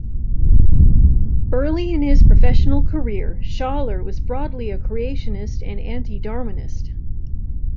Early in his professional career Shaler was broadly a creationist and anti-Darwinist.